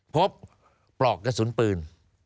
พบปรอกกระศูนย์ปืน